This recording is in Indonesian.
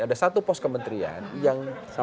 ada satu pos kementerian yang